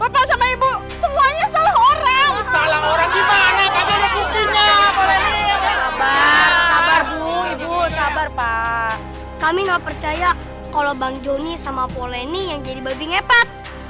kami nggak percaya kalau bang joni sama poleni yang jadi babi ngepet